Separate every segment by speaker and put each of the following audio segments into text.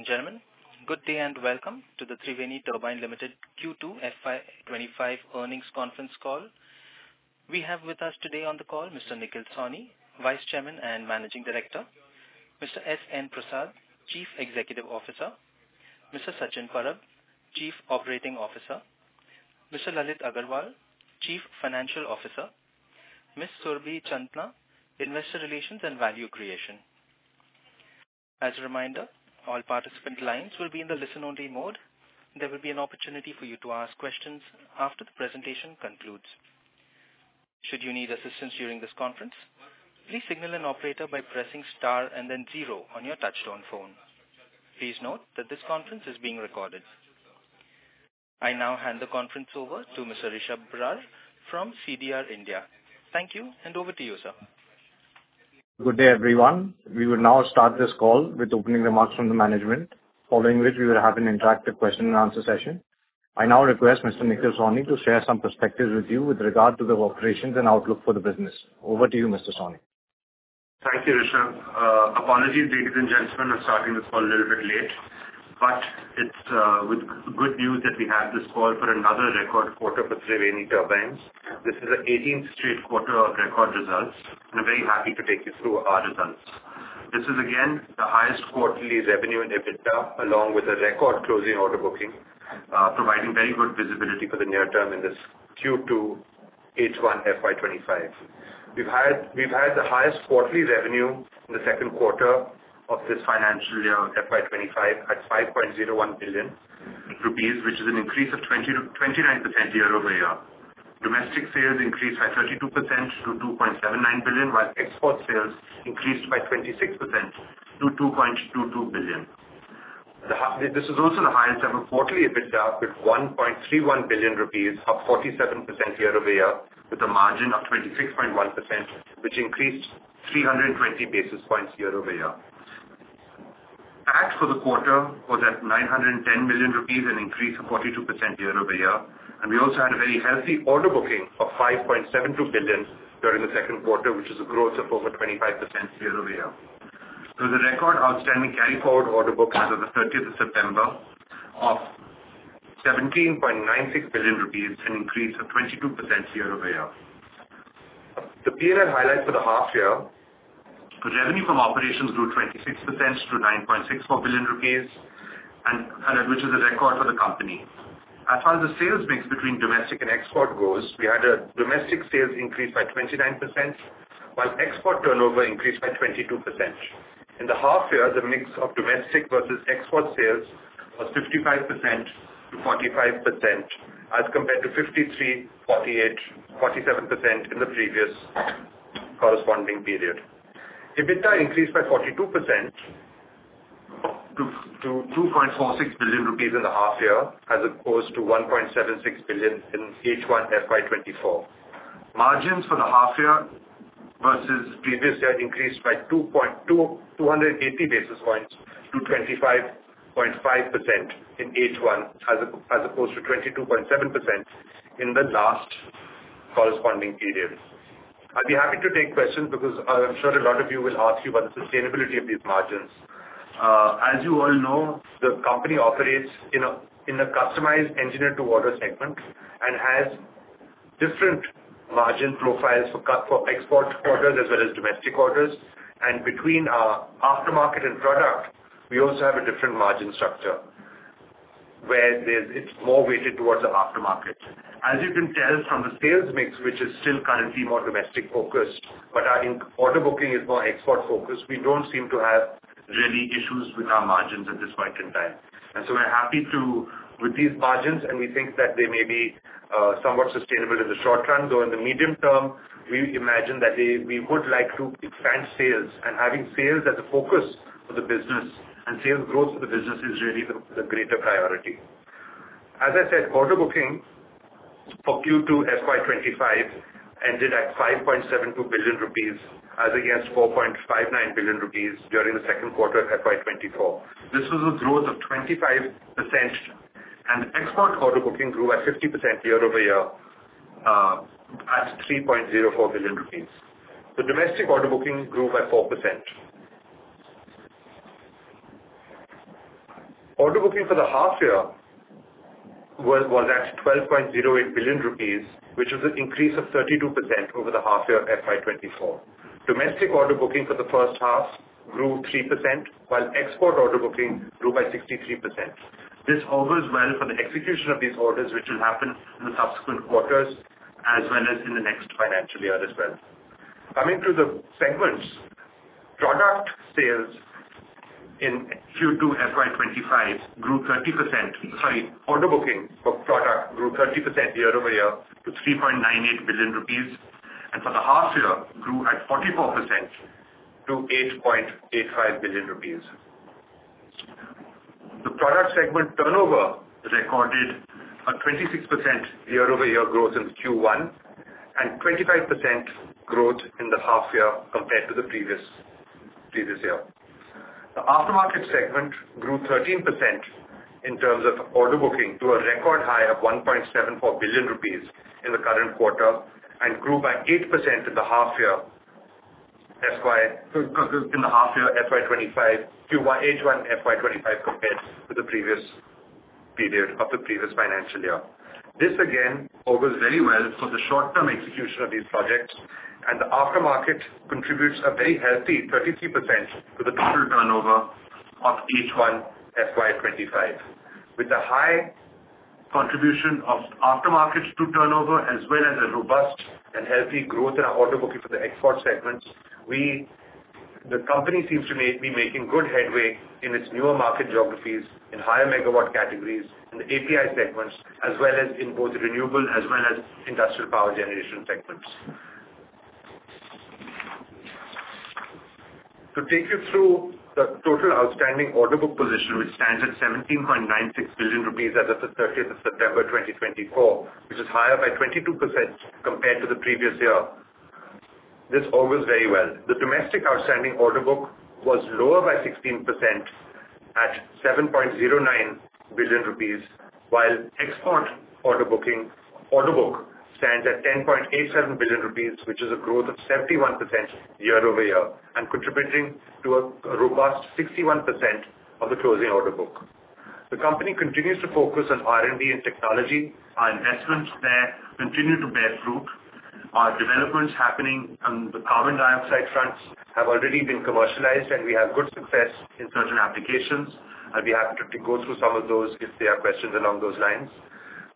Speaker 1: Ladies and gentlemen, good day and welcome to the Triveni Turbine Limited Q2 FY25 earnings conference call. We have with us today on the call Mr. Nikhil Sawhney, Vice Chairman and Managing Director. Mr. S. N. Prasad, Chief Executive Officer. Mr. Sachin Parab, Chief Operating Officer. Mr. Lalit Agarwal, Chief Financial Officer. Ms. Surabhi Chandna, Investor Relations and Value Creation. As a reminder, all participant lines will be in the listen-only mode. There will be an opportunity for you to ask questions after the presentation concludes. Should you need assistance during this conference, please signal an operator by pressing star and then zero on your touch-tone phone. Please note that this conference is being recorded. I now hand the conference over to Mr. Rishabh Barar from CDR India. Thank you, and over to you, sir.
Speaker 2: Good day, everyone. We will now start this call with opening remarks from the management, following which we will have an interactive question-and-answer session. I now request Mr. Nikhil Sawhney to share some perspectives with you with regard to the operations and outlook for the business. Over to you, Mr. Sawhney.
Speaker 3: Thank you, Rishabh. Apologies, ladies and gentlemen, for starting the call a little bit late, but it's with good news that we have this call for another record quarter for Triveni Turbines. This is the 18th straight quarter of record results, and I'm very happy to take you through our results. This is, again, the highest quarterly revenue and EBITDA, along with a record closing order booking, providing very good visibility for the near term in this Q2 H1 FY25. We've had the highest quarterly revenue in the second quarter of this financial year of FY25 at 5.01 billion rupees, which is an increase of 29% year over year. Domestic sales increased by 32% to 2.79 billion, while export sales increased by 26% to 2.22 billion. This is also the highest-ever quarterly EBITDA with 1.31 billion rupees, up 47% year over year, with a margin of 26.1%, which increased 320 basis points year over year. PAT for the quarter was at 910 million rupees and increased to 42% year over year. And we also had a very healthy order booking of 5.72 billion during the second quarter, which is a growth of over 25% year over year. There was a record outstanding carry-forward order booking as of the 30th of September of 17.96 billion rupees, an increase of 22% year over year. The period highlights for the half-year: revenue from operations grew 26% to 9.64 billion rupees, which is a record for the company. As far as the sales mix between domestic and export goes, we had a domestic sales increase by 29%, while export turnover increased by 22%. In the half-year, the mix of domestic versus export sales was 55%-45%, as compared to 53%, 48%, 47% in the previous corresponding period. EBITDA increased by 42% to 2.46 billion rupees in the half-year, as opposed to 1.76 billion in H1 FY24. Margins for the half-year versus previous year increased by 280 basis points to 25.5% in H1, as opposed to 22.7% in the last corresponding period. I'd be happy to take questions because I'm sure a lot of you will ask about the sustainability of these margins. As you all know, the company operates in a customized engineered-to-order segment and has different margin profiles for export orders as well as domestic orders and between aftermarket and product, we also have a different margin structure where it's more weighted towards the aftermarket. As you can tell from the sales mix, which is still currently more domestic-focused, but our order booking is more export-focused, we don't seem to have real issues with our margins at this point in time, and so we're happy with these margins, and we think that they may be somewhat sustainable in the short run. Though in the medium term, we imagine that we would like to expand sales, and having sales as a focus for the business and sales growth for the business is really the greater priority. As I said, order booking for Q2 FY25 ended at 5.72 billion rupees, as against 4.59 billion rupees during the second quarter of FY24. This was a growth of 25%, and export order booking grew by 50% year over year at 3.04 billion rupees. The domestic order booking grew by 4%. Order booking for the half-year was at 12.08 billion rupees, which was an increase of 32% over the half-year of FY24. Domestic order booking for the first half grew 3%, while export order booking grew by 63%. This overspill for the execution of these orders, which will happen in the subsequent quarters as well as in the next financial year as well. Coming to the segments, product sales in Q2 FY25 grew 30%. Sorry, order booking for product grew 30% year over year to 3.98 billion rupees, and for the half-year, grew at 44% to 8.85 billion rupees. The product segment turnover recorded a 26% year-over-year growth in Q1 and 25% growth in the half-year compared to the previous year. The aftermarket segment grew 13% in terms of order booking to a record high of 1.74 billion rupees in the current quarter and grew by 8% in the half-year FY25 compared to the previous period of the previous financial year. This, again, bodes very well for the short-term execution of these projects, and the aftermarket contributes a very healthy 33% to the total turnover of H1 FY25. With the high contribution of aftermarkets to turnover, as well as a robust and healthy growth in our order booking for the export segments, the company seems to be making good headway in its newer market geographies in higher megawatt categories in the API segments, as well as in both renewable as well as industrial power generation segments. To take you through the total outstanding order book position, which stands at 17.96 billion rupees as of the 30th of September 2024, which is higher by 22% compared to the previous year. This bodes very well. The domestic outstanding order book was lower by 16% at 7.09 billion rupees, while export order booking stands at 10.87 billion rupees, which is a growth of 71% year over year and contributing to a robust 61% of the closing order book. The company continues to focus on R&D and technology. Our investments there continue to bear fruit. Our developments happening on the carbon dioxide fronts have already been commercialized, and we have good success in certain applications. I'd be happy to go through some of those if there are questions along those lines.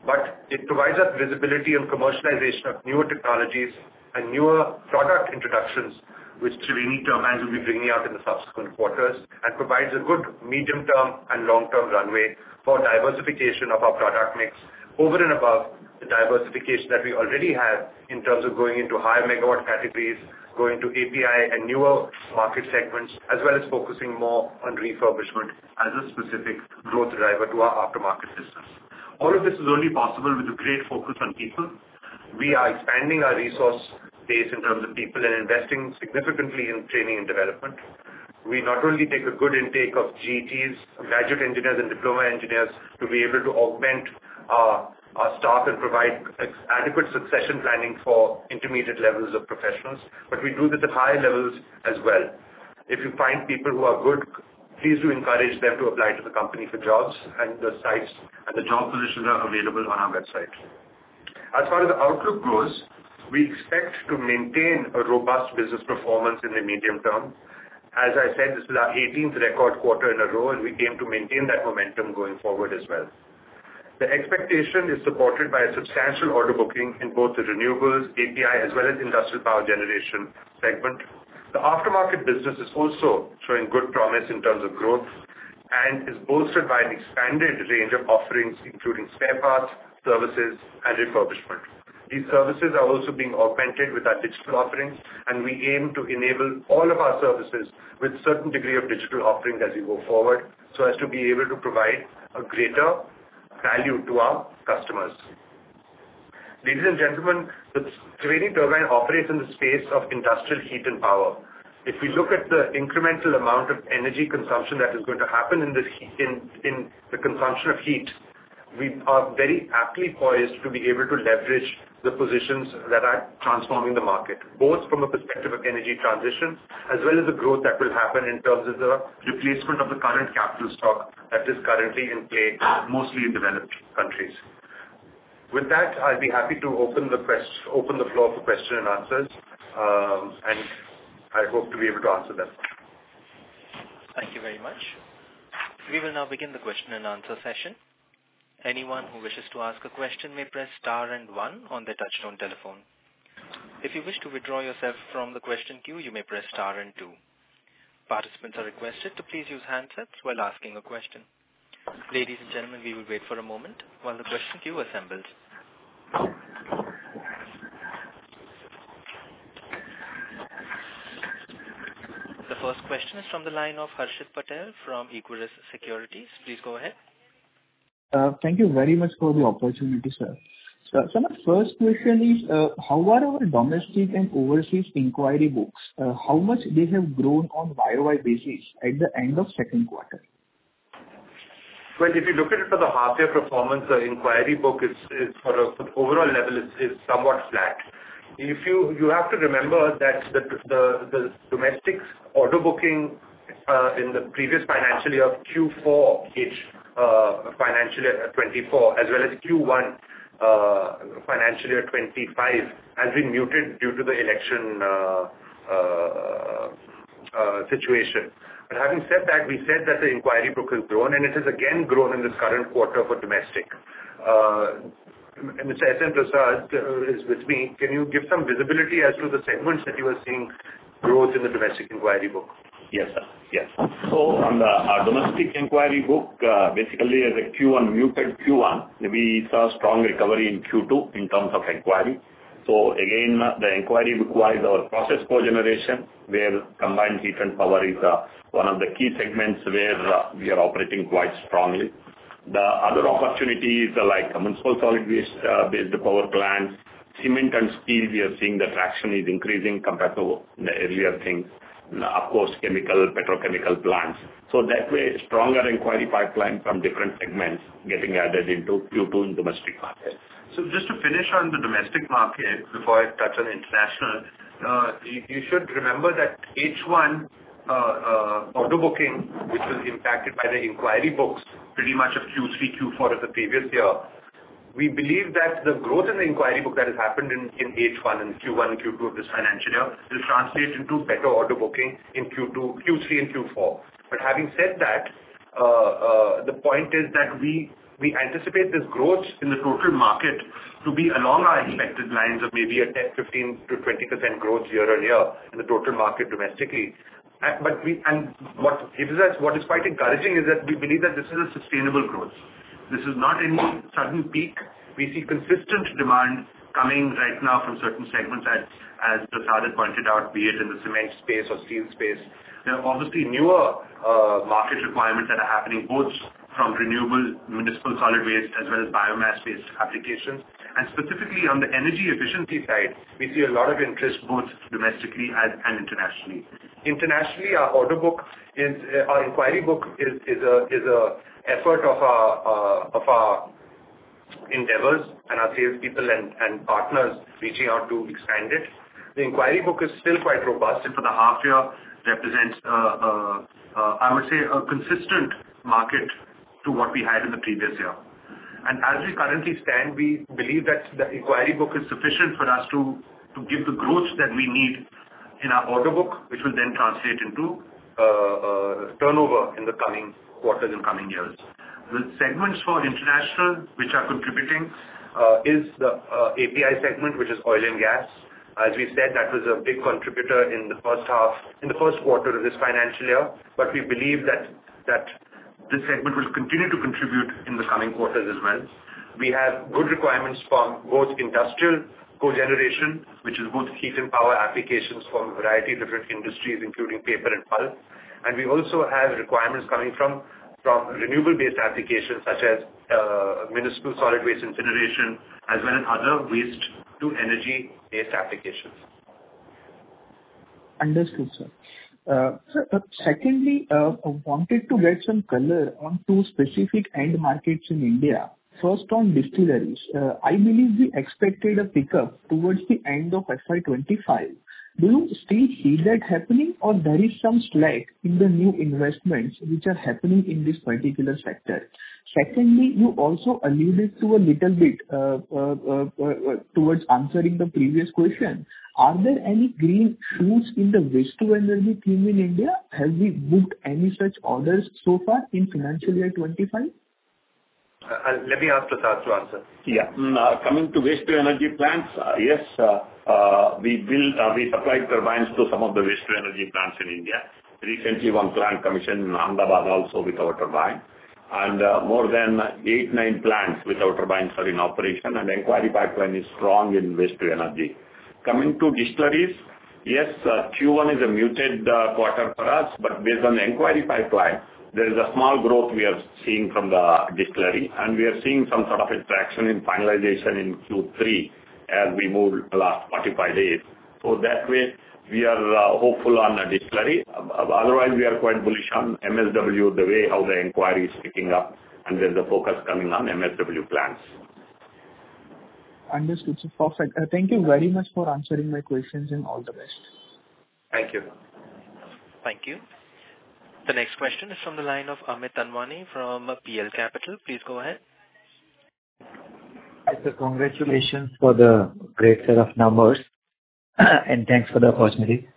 Speaker 3: But it provides us visibility on commercialization of newer technologies and newer product introductions, which Triveni Turbine will be bringing out in the subsequent quarters, and provides a good medium-term and long-term runway for diversification of our product mix over and above the diversification that we already have in terms of going into higher megawatt categories, going to API and newer market segments, as well as focusing more on refurbishment as a specific growth driver to our aftermarket business. All of this is only possible with a great focus on people. We are expanding our resource base in terms of people and investing significantly in training and development. We not only take a good intake of GTs, graduate engineers, and diploma engineers to be able to augment our staff and provide adequate succession planning for intermediate levels of professionals, but we do this at higher levels as well. If you find people who are good, please do encourage them to apply to the company for jobs, and the job positions are available on our website. As far as the outlook goes, we expect to maintain a robust business performance in the medium term. As I said, this is our 18th record quarter in a row, and we aim to maintain that momentum going forward as well. The expectation is supported by substantial order booking in both the renewables, API, as well as industrial power generation segment. The aftermarket business is also showing good promise in terms of growth and is bolstered by an expanded range of offerings, including spare parts, services, and refurbishment. These services are also being augmented with our digital offerings, and we aim to enable all of our services with a certain degree of digital offering as we go forward so as to be able to provide a greater value to our customers. Ladies and gentlemen, Triveni Turbine Limited operates in the space of industrial heat and power. If we look at the incremental amount of energy consumption that is going to happen in the consumption of heat, we are very aptly poised to be able to leverage the positions that are transforming the market, both from a perspective of energy transition as well as the growth that will happen in terms of the replacement of the current capital stock that is currently in play, mostly in developed countries. With that, I'd be happy to open the floor for questions and answers, and I hope to be able to answer them.
Speaker 1: Thank you very much. We will now begin the question and answer session. Anyone who wishes to ask a question may press star and one on the touch-tone telephone. If you wish to withdraw yourself from the question queue, you may press star and two. Participants are requested to please use handsets while asking a question. Ladies and gentlemen, we will wait for a moment while the question queue assembles. The first question is from the line of Harshit Patel from Equurus Securities. Please go ahead.
Speaker 4: Thank you very much for the opportunity, sir. Sir, my first question is, how are our domestic and overseas inquiry books? How much did they grow on YoY basis at the end of the second quarter?
Speaker 3: Well, if you look at it for the half-year performance, the inquiry book is, for the overall level, somewhat flat. You have to remember that the domestic order booking in the previous financial year, Q4, financial year 2024, as well as Q1, financial year 2025, has been muted due to the election situation. But having said that, we said that the inquiry book has grown, and it has again grown in this current quarter for domestic. Mr. S. N. Prasad is with me. Can you give some visibility as to the segments that you are seeing growth in the domestic inquiry book?
Speaker 5: Yes, sir. Yes. So on the domestic inquiry book, basically, as a Q1, muted Q1, we saw a strong recovery in Q2 in terms of inquiry. So again, the inquiry requires our process power generation, where combined heat and power is one of the key segments where we are operating quite strongly. The other opportunities are like municipal solid waste-based power plants, cement and steel. We are seeing the traction is increasing compared to the earlier things, and of course, chemical, petrochemical plants. So that way, stronger inquiry pipeline from different segments getting added into Q2 in domestic market.
Speaker 3: Just to finish on the domestic market before I touch on international, you should remember that H1 order booking, which was impacted by the inquiry books pretty much of Q3, Q4 of the previous year. We believe that the growth in the inquiry book that has happened in H1 and Q1 and Q2 of this financial year will translate into better order booking in Q3 and Q4. But having said that, the point is that we anticipate this growth in the total market to be along our expected lines of maybe a 10%-20% growth year on year in the total market domestically. And what gives us what is quite encouraging is that we believe that this is a sustainable growth. This is not any sudden peak. We see consistent demand coming right now from certain segments, as Prasad had pointed out, be it in the cement space or steel space. There are obviously newer market requirements that are happening, both from renewable municipal solid waste as well as biomass-based applications. Specifically on the energy efficiency side, we see a lot of interest both domestically and internationally. Internationally, our order book, our inquiry book is an effort of our endeavors and our salespeople and partners reaching out to expand it. The inquiry book is still quite robust, and for the half-year, represents, I would say, a consistent market to what we had in the previous year. As we currently stand, we believe that the inquiry book is sufficient for us to give the growth that we need in our order book, which will then translate into turnover in the coming quarters and coming years. The segments for international, which are contributing, is the API segment, which is oil and gas. As we said, that was a big contributor in the first half, in the first quarter of this financial year, but we believe that this segment will continue to contribute in the coming quarters as well. We have good requirements from both industrial cogeneration, which is both heat and power applications from a variety of different industries, including paper and pulp. And we also have requirements coming from renewable-based applications such as municipal solid waste incineration, as well as other waste-to-energy-based applications.
Speaker 4: Understood, sir. Secondly, I wanted to get some color on two specific end markets in India. First, on distilleries. I believe we expected a pickup towards the end of FY25. Do you still see that happening, or there is some slack in the new investments which are happening in this particular sector? Secondly, you also alluded to a little bit towards answering the previous question. Are there any green shoots in the waste-to-energy theme in India? Have we booked any such orders so far in financial year 25?
Speaker 3: Let me ask Prasad to answer.
Speaker 5: Yeah. Coming to waste-to-energy plants, yes. We supplied turbines to some of the waste-to-energy plants in India. Recently, one plant commissioned in Ahmedabad also with our turbine, and more than eight, nine plants with our turbines are in operation, and the inquiry pipeline is strong in waste-to-energy. Coming to distilleries, yes, Q1 is a muted quarter for us, but based on the inquiry pipeline, there is a small growth we are seeing from the distillery, and we are seeing some sort of a traction in finalization in Q3 as we move the last 45 days. So that way, we are hopeful on the distillery. Otherwise, we are quite bullish on MSW, the way how the inquiry is picking up, and there's a focus coming on MSW plants.
Speaker 4: Understood. Perfect. Thank you very much for answering my questions and all the best.
Speaker 3: Thank you.
Speaker 1: Thank you. The next question is from the line of Amit Anwani from PL Capital. Please go ahead.
Speaker 6: Yes, sir. Congratulations for the great set of numbers, and thanks for the opportunity.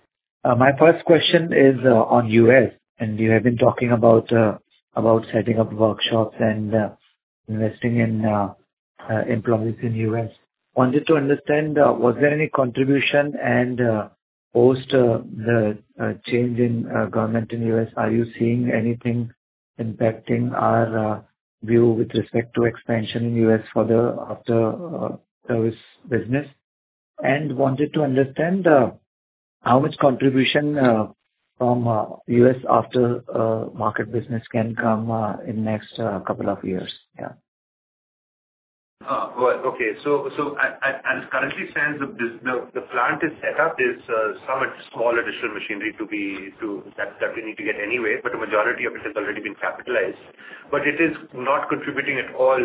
Speaker 6: My first question is on U.S., and you have been talking about setting up workshops and investing in employees in the U.S. I wanted to understand, was there any contribution post the change in government in the U.S.? Are you seeing anything impacting our view with respect to expansion in the U.S. for the aftermarket business? And I wanted to understand how much contribution from U.S. aftermarket business can come in the next couple of years. Yeah.
Speaker 3: Okay. So as it currently stands, the plant is set up with some small additional machinery that we need to get anyway, but the majority of it has already been capitalized. But it is not contributing at all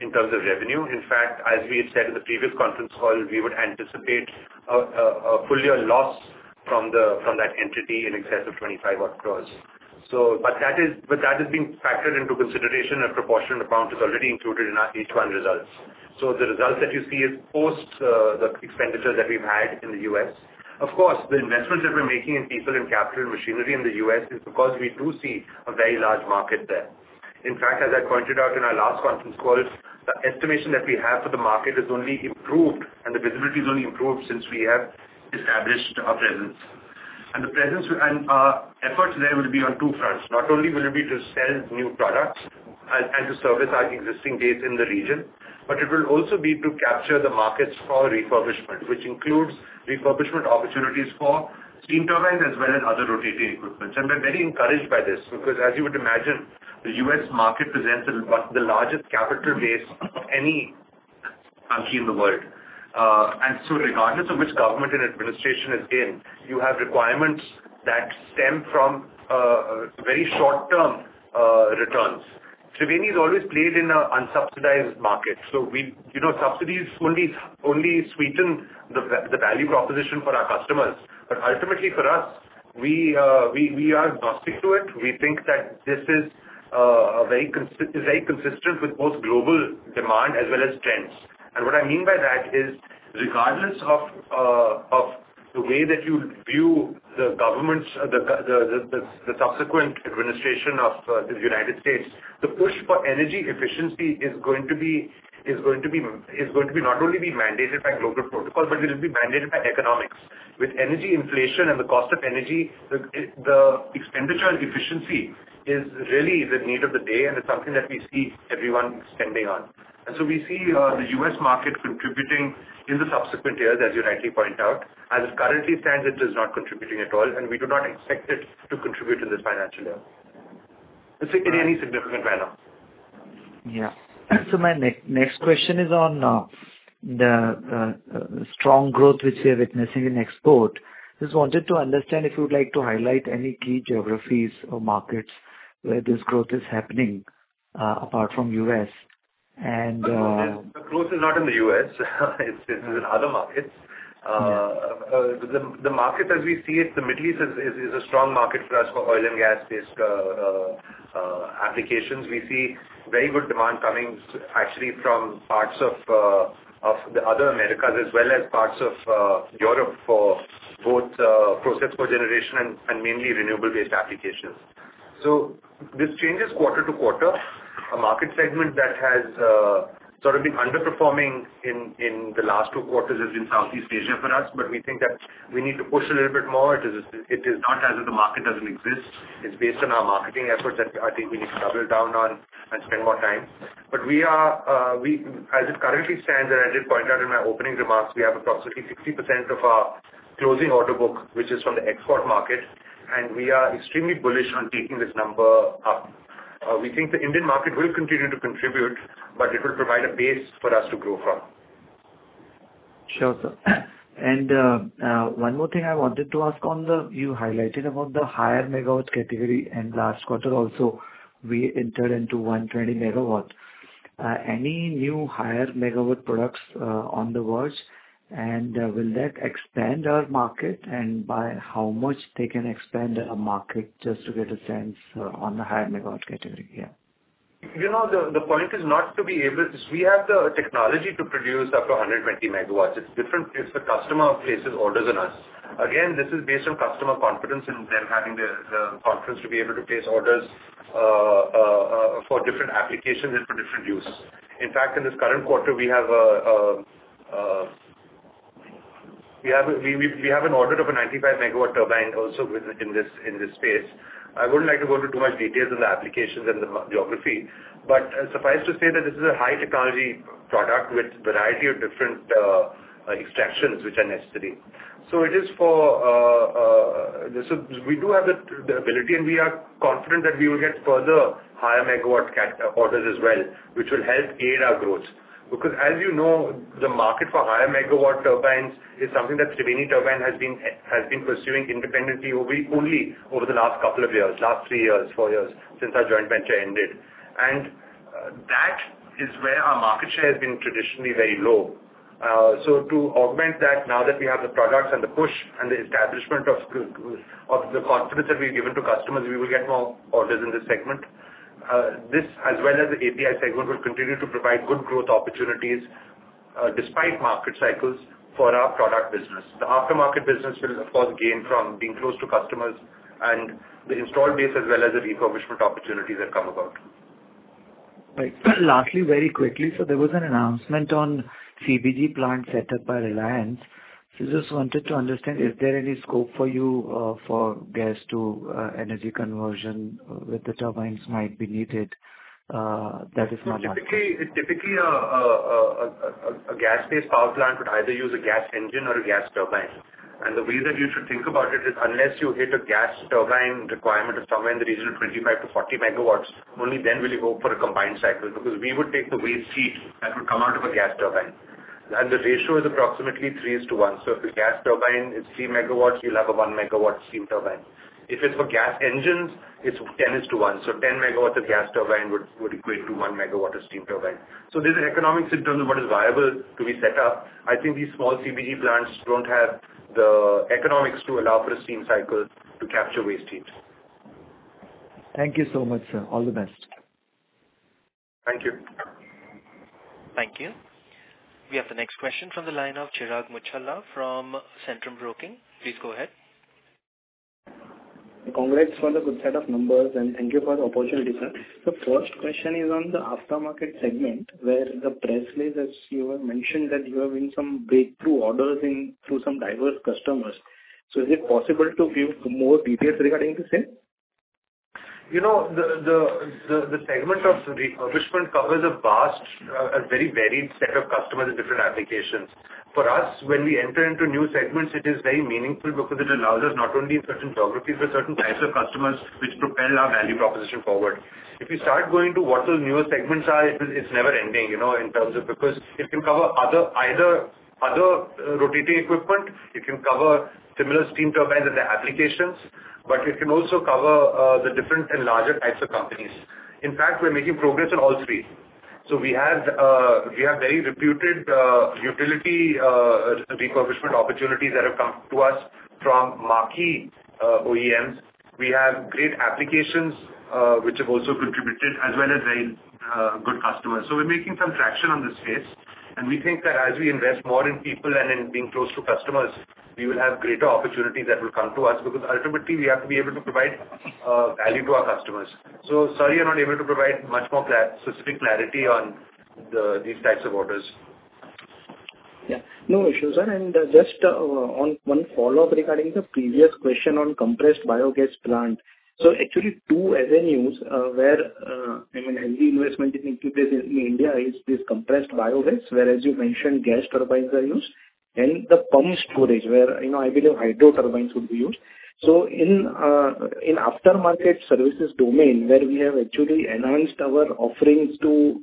Speaker 3: in terms of revenue. In fact, as we said in the previous conference call, we would anticipate a full-year loss from that entity in excess of 25-odd crores. But that has been factored into consideration, and a proportional amount is already included in our H1 results. So the results that you see are post the expenditures that we've had in the U.S. Of course, the investments that we're making in people and capital and machinery in the U.S. is because we do see a very large market there. In fact, as I pointed out in our last conference call, the estimation that we have for the market has only improved, and the visibility has only improved since we have established our presence, and our efforts there will be on two fronts. Not only will it be to sell new products and to service our existing base in the region, but it will also be to capture the markets for refurbishment, which includes refurbishment opportunities for steam turbines as well as other rotating equipment, and we're very encouraged by this because, as you would imagine, the US market presents as the largest capital base of any country in the world, and so regardless of which government and administration is in, you have requirements that stem from very short-term returns. Triveni has always played in an unsubsidized market, so subsidies only sweeten the value proposition for our customers. But ultimately, for us, we are agnostic to it. We think that this is very consistent with both global demand as well as trends. And what I mean by that is, regardless of the way that you view the governments, the subsequent administration of the United States, the push for energy efficiency is going to be not only mandated by global protocol, but it will be mandated by economics. With energy inflation and the cost of energy, the expenditure efficiency is really the need of the day, and it's something that we see everyone expanding on. And so we see the US market contributing in the subsequent years, as you rightly point out. As it currently stands, it is not contributing at all, and we do not expect it to contribute in this financial year. Let's say in any significant manner.
Speaker 6: Yeah. My next question is on the strong growth which we are witnessing in export. Just wanted to understand if you would like to highlight any key geographies or markets where this growth is happening apart from U.S. and?
Speaker 3: The growth is not in the US It's in other markets. The market, as we see it, the Middle East is a strong market for us for oil and gas-based applications. We see very good demand coming, actually, from parts of the other Americas as well as parts of Europe for both process power generation and mainly renewable-based applications. So this changes quarter to quarter. A market segment that has sort of been underperforming in the last two quarters has been Southeast Asia for us, but we think that we need to push a little bit more. It is not as if the market doesn't exist. It's based on our marketing efforts that I think we need to double down on and spend more time. But as it currently stands, and I did point out in my opening remarks, we have approximately 60% of our closing order book, which is from the export market, and we are extremely bullish on taking this number up. We think the Indian market will continue to contribute, but it will provide a base for us to grow from.
Speaker 6: Sure, sir. And one more thing I wanted to ask on the one you highlighted about the higher megawatt category in last quarter. Also, we entered into 120 MW. Any new higher megawatt products on the verge? And will that expand our market, and by how much they can expand our market just to get a sense on the higher megawatt category? Yeah.
Speaker 3: The point is not to be able. We have the technology to produce up to 120 MW. It's different if the customer places orders on us. Again, this is based on customer confidence in them having the confidence to be able to place orders for different applications and for different use. In fact, in this current quarter, we have an order of a 95 MW turbine also in this space. I wouldn't like to go into too much detail on the applications and the geography, but suffice to say that this is a high-technology product with a variety of different extractions which are necessary. So it is for so we do have the ability, and we are confident that we will get further higher megawatt orders as well, which will help aid our growth. Because, as you know, the market for higher megawatt turbines is something that Triveni Turbine has been pursuing independently only over the last couple of years, last three years, four years, since our joint venture ended. And that is where our market share has been traditionally very low. So to augment that, now that we have the products and the push and the establishment of the confidence that we've given to customers, we will get more orders in this segment. This, as well as the API segment, will continue to provide good growth opportunities despite market cycles for our product business. The aftermarket business will, of course, gain from being close to customers and the installed base as well as the refurbishment opportunities that come about.
Speaker 6: Great. Lastly, very quickly, so there was an announcement on CBG plant set up by Reliance. So just wanted to understand, is there any scope for you for gas-to-energy conversion with the turbines might be needed that is not?
Speaker 3: Typically, a gas-based power plant would either use a gas engine or a gas turbine. And the way that you should think about it is, unless you hit a gas turbine requirement of somewhere in the region of 25-40 MW, only then will you go for a combined cycle. Because we would take the waste heat that would come out of a gas turbine. And the ratio is approximately 3:1. So if the gas turbine is 3 MW, you'll have a 1 MW steam turbine. If it's for gas engines, it's 10:1. So 10 MW of gas turbine would equate to 1 MW of steam turbine. So there's an economics in terms of what is viable to be set up. I think these small CBG plants don't have the economics to allow for a steam cycle to capture waste heat.
Speaker 6: Thank you so much, sir. All the best.
Speaker 3: Thank you.
Speaker 1: Thank you. We have the next question from the line of Chirag Muchhala from Centrum Broking. Please go ahead.
Speaker 7: Congrats for the good set of numbers, and thank you for the opportunity, sir. So first question is on the aftermarket segment, where the price list, as you have mentioned, that you have been some breakthrough orders through some diverse customers. So is it possible to give more details regarding the same?
Speaker 3: The segment of refurbishment covers a vast, very varied set of customers and different applications. For us, when we enter into new segments, it is very meaningful because it allows us not only in certain geographies but certain types of customers which propel our value proposition forward. If you start going to what those newer segments are, it's never-ending in terms of because it can cover either other rotating equipment, it can cover similar steam turbines and their applications, but it can also cover the different and larger types of companies. In fact, we're making progress in all three. So we have very reputed utility refurbishment opportunities that have come to us from marquee OEMs. We have great applications which have also contributed, as well as very good customers. So we're making some traction on this space, and we think that as we invest more in people and in being close to customers, we will have greater opportunities that will come to us because ultimately, we have to be able to provide value to our customers. So sorry I'm not able to provide much more specific clarity on these types of orders.
Speaker 7: Yeah. No issues, sir. And just one follow-up regarding the previous question on compressed biogas plant. So actually, two avenues where I mean, heavy investment in India is this compressed biogas, whereas you mentioned gas turbines are used, and the pumped storage, where I believe hydro turbines would be used. So in aftermarket services domain, where we have actually enhanced our offerings to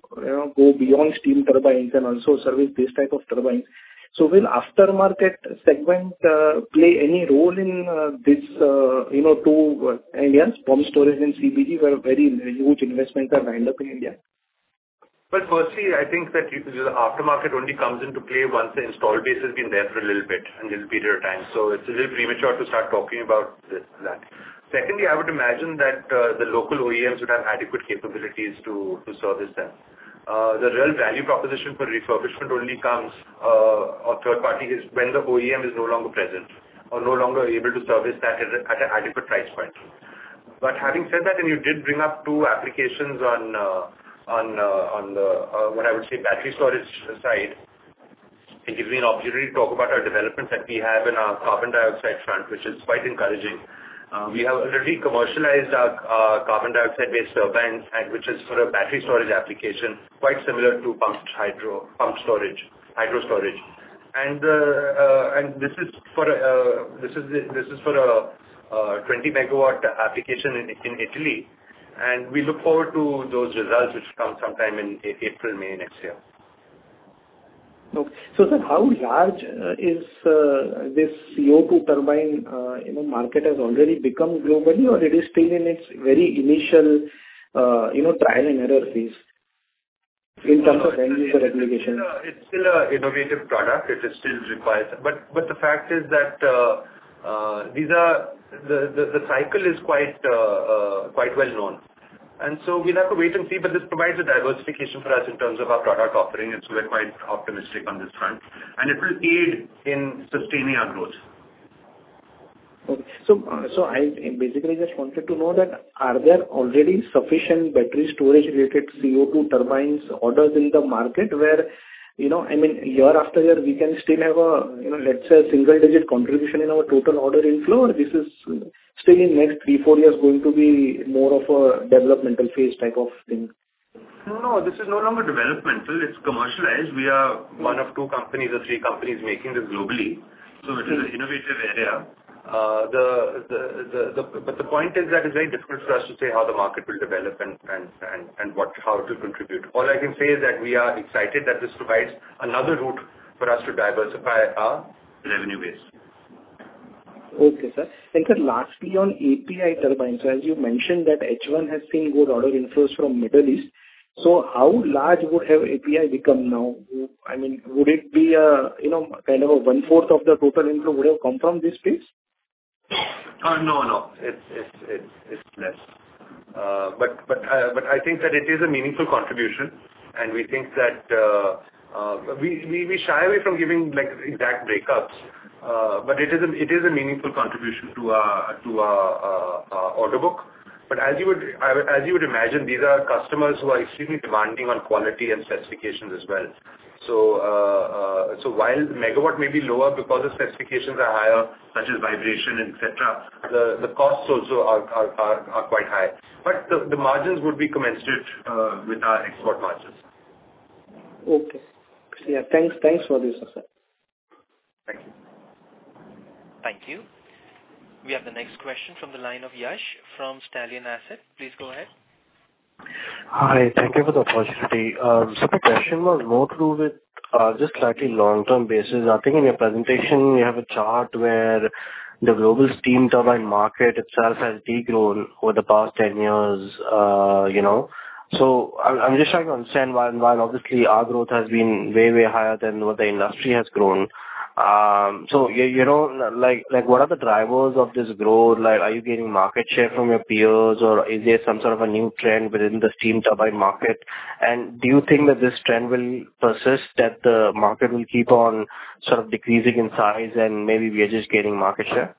Speaker 7: go beyond steam turbines and also service these types of turbines, so will aftermarket segment play any role in these two areas? Pumped storage and CBG were very huge investments that are lined up in India.
Speaker 3: But firstly, I think that aftermarket only comes into play once the installed base has been there for a little bit and a little period of time. So it's a little premature to start talking about that. Secondly, I would imagine that the local OEMs would have adequate capabilities to service them. The real value proposition for refurbishment only comes, or third-party, is when the OEM is no longer present or no longer able to service that at an adequate price point. But having said that, and you did bring up two applications on the, what I would say, battery storage side. It gives me an opportunity to talk about our developments that we have in our carbon dioxide front, which is quite encouraging. We have already commercialized our carbon dioxide-based turbines, which is for a battery storage application quite similar to pumped storage. This is for a 20 MW application in Italy, and we look forward to those results, which come sometime in April, May next year.
Speaker 7: So sir, how large is this CO2 turbine market has already become globally, or it is still in its very initial trial and error phase in terms of end-user applications?
Speaker 3: It's still an innovative product. It still requires it. But the fact is that the cycle is quite well-known. And so we'll have to wait and see, but this provides a diversification for us in terms of our product offering, and so we're quite optimistic on this front. And it will aid in sustaining our growth.
Speaker 7: I basically just wanted to know that, are there already sufficient battery storage-related CO2 turbines orders in the market, where I mean, year after year, we can still have a, let's say, a single-digit contribution in our total order inflow, or this is still in the next three, four years going to be more of a developmental phase type of thing?
Speaker 3: No, this is no longer developmental. It's commercialized. We are one of two companies or three companies making this globally. So it is an innovative area. But the point is that it's very difficult for us to say how the market will develop and how it will contribute. All I can say is that we are excited that this provides another route for us to diversify our revenue base.
Speaker 7: Okay, sir. And then lastly, on API turbines, as you mentioned that H1 has seen good order inflows from the Middle East. So how large would have API become now? I mean, would it be kind of a one-fourth of the total inflow would have come from this space?
Speaker 3: No, no. It's less. But I think that it is a meaningful contribution, and we think that we shy away from giving exact breakups, but it is a meaningful contribution to our order book. But as you would imagine, these are customers who are extremely demanding on quality and specifications as well. So while megawatt may be lower because the specifications are higher, such as vibration, etc., the costs also are quite high. But the margins would be commensurate with our export margins.
Speaker 7: Okay. Yeah. Thanks for this, sir.
Speaker 3: Thank you.
Speaker 1: Thank you. We have the next question from the line of Yash from Stallion Asset. Please go ahead. Hi. Thank you for the opportunity. So the question was more to do with just slightly long-term basis. I think in your presentation, you have a chart where the global steam turbine market itself has degrown over the past 10 years. So I'm just trying to understand why, obviously, our growth has been way, way higher than what the industry has grown. So what are the drivers of this growth? Are you gaining market share from your peers, or is there some sort of a new trend within the steam turbine market? And do you think that this trend will persist, that the market will keep on sort of decreasing in size, and maybe we are just gaining market share?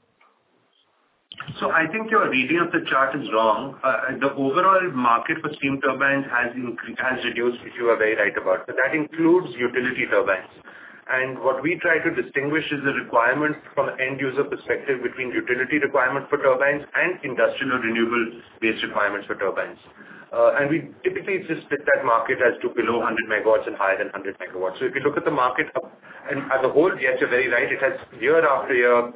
Speaker 3: I think your reading of the chart is wrong. The overall market for steam turbines has reduced, which you were very right about. But that includes utility turbines. And what we try to distinguish is the requirement from an end-user perspective between utility requirement for turbines and industrial renewable-based requirements for turbines. And we typically just split that market as to below 100 MW and higher than 100 MW. So if you look at the market as a whole, yes, you're very right. It has year after year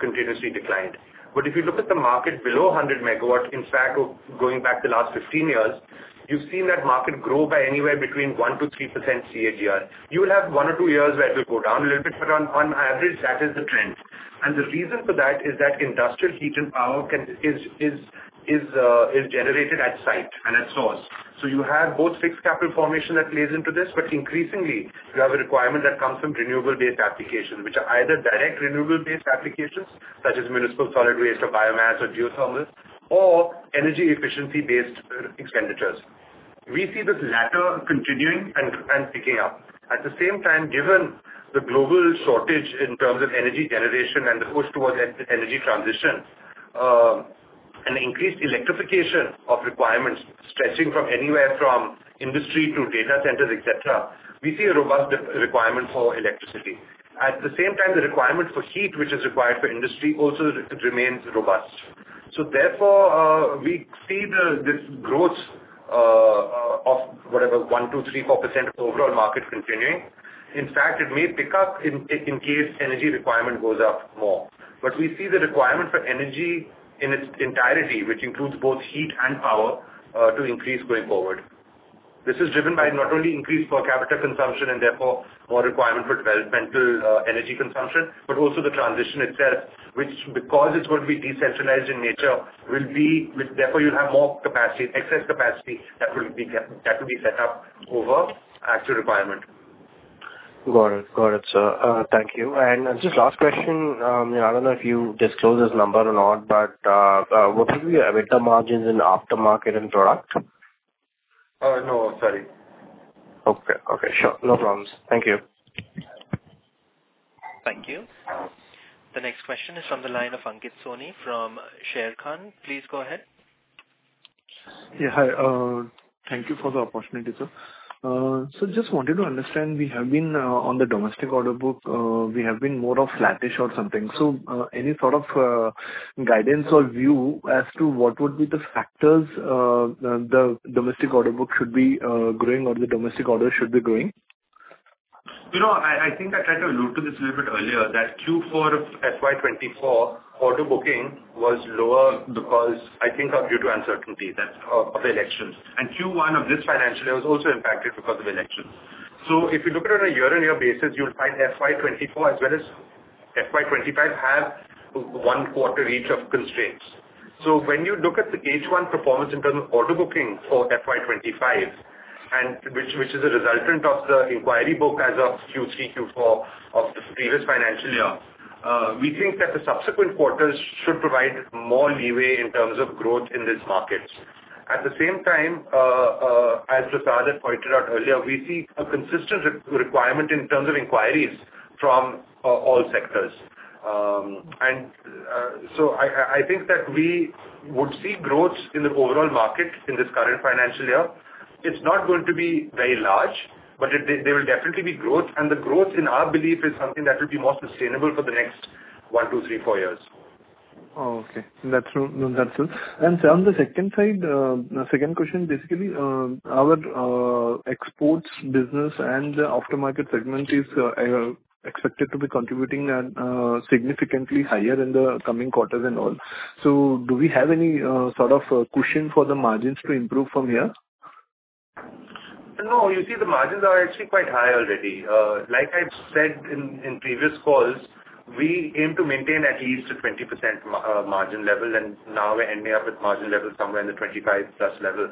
Speaker 3: continuously declined. But if you look at the market below 100 MW, in fact, going back the last 15 years, you've seen that market grow by anywhere between 1%-3% CAGR. You will have one or two years where it will go down a little bit, but on average, that is the trend. The reason for that is that industrial heat and power is generated at site and at source. So you have both fixed capital formation that plays into this, but increasingly, you have a requirement that comes from renewable-based applications, which are either direct renewable-based applications such as municipal solid waste or biomass or geothermal or energy efficiency-based expenditures. We see this latter continuing and picking up. At the same time, given the global shortage in terms of energy generation and the push towards energy transition and increased electrification of requirements stretching from anywhere from industry to data centers, etc., we see a robust requirement for electricity. At the same time, the requirement for heat, which is required for industry, also remains robust. So therefore, we see this growth of whatever 1%, 2%, 3%, 4% of the overall market continuing. In fact, it may pick up in case energy requirement goes up more. But we see the requirement for energy in its entirety, which includes both heat and power, to increase going forward. This is driven by not only increased per capita consumption and therefore more requirement for developmental energy consumption, but also the transition itself, which, because it's going to be decentralized in nature, will be therefore you'll have more capacity, excess capacity that will be set up over actual requirement. Got it. Got it, sir. Thank you. And just last question. I don't know if you disclose this number or not, but what would be your EBITDA margins in aftermarket and product? No, sorry. Okay. Okay. Sure. No problems. Thank you.
Speaker 1: Thank you. The next question is from the line of Ankit Soni from Sharekhan. Please go ahead.
Speaker 8: Yeah. Hi. Thank you for the opportunity, sir. So just wanted to understand, we have been on the domestic order book, we have been more of flatish or something. So any sort of guidance or view as to what would be the factors the domestic order book should be growing or the domestic order should be growing?
Speaker 3: I think I tried to allude to this a little bit earlier that Q4 FY24 order booking was lower because I think due to uncertainty of elections. And Q1 of this financial year was also impacted because of elections. So if you look at it on a year-on-year basis, you'll find FY24 as well as FY25 have one-quarter each of constraints. So when you look at the H1 performance in terms of order booking for FY25, which is a resultant of the inquiry book as of Q3, Q4 of the previous financial year, we think that the subsequent quarters should provide more leeway in terms of growth in these markets. At the same time, as Prasad had pointed out earlier, we see a consistent requirement in terms of inquiries from all sectors. And so I think that we would see growth in the overall market in this financial year. It's not going to be very large, but there will definitely be growth. And the growth, in our belief, is something that will be more sustainable for the next one, two, three, four years.
Speaker 8: Oh, okay. That's true. And on the second side, second question, basically, our exports business and the aftermarket segment is expected to be contributing significantly higher in the coming quarters and all. So do we have any sort of cushion for the margins to improve from here?
Speaker 3: No. You see, the margins are actually quite high already. Like I've said in previous calls, we aim to maintain at least a 20% margin level, and now we're ending up with margin levels somewhere in the 25+ level.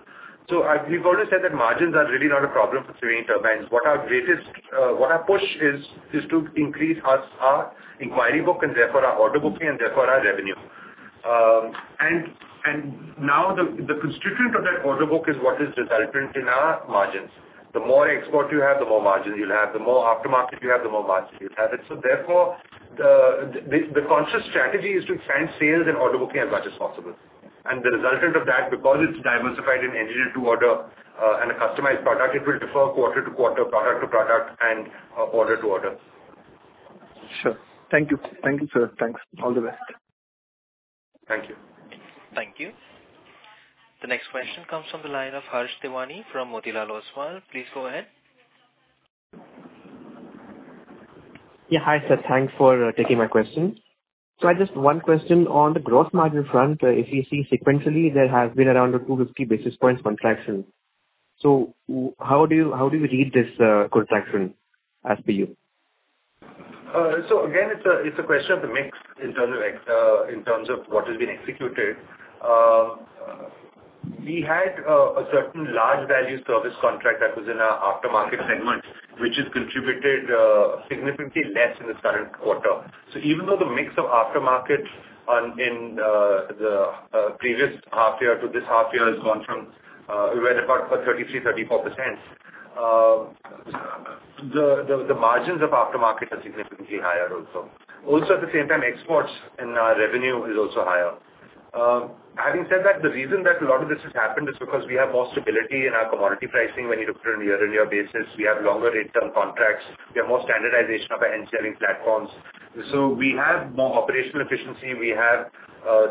Speaker 3: So we've always said that margins are really not a problem for civilian turbines. What our push is to increase our inquiry book and therefore our order booking and therefore our revenue. And now the constituent of that order book is what is resultant in our margins. The more export you have, the more margins you'll have. The more aftermarket you have, the more margins you'll have. And so therefore, the conscious strategy is to expand sales and order booking as much as possible. And the resultant of that, because it's diversified in engineered-to-order and a customized product, it will differ quarter to quarter, product to product, and order to order.
Speaker 8: Sure. Thank you. Thank you, sir. Thanks. All the best.
Speaker 3: Thank you.
Speaker 1: Thank you. The next question comes from the line of Harsh Devani from Motilal Oswal. Please go ahead.
Speaker 9: Yeah. Hi, sir. Thanks for taking my question. So I just one question on the gross margin front. If you see sequentially, there has been around 250 basis points contraction. So how do you read this contraction as per you?
Speaker 3: So again, it's a question of the mix in terms of what has been executed. We had a certain large-value service contract that was in our aftermarket segment, which has contributed significantly less in this current quarter. So even though the mix of aftermarket in the previous half year to this half year has gone from we were about 33%-34%, the margins of aftermarket are significantly higher also. Also, at the same time, exports and our revenue is also higher. Having said that, the reason that a lot of this has happened is because we have more stability in our commodity pricing when you look at an year-on-year basis. We have longer rate-term contracts. We have more standardization of our engineering platforms. So we have more operational efficiency. We have